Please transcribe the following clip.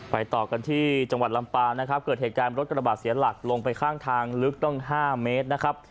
ต่อกันที่จังหวัดลำปางนะครับเกิดเหตุการณ์รถกระบาดเสียหลักลงไปข้างทางลึกต้อง๕เมตรนะครับ